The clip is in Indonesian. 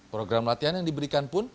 program latihan yang diberikan pun